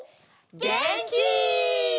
げんき！